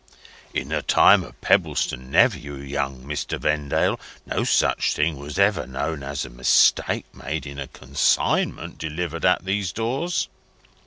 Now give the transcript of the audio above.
In the time of Pebbleson Nephew, Young Mr. Vendale, no such thing was ever known as a mistake made in a consignment delivered at these doors.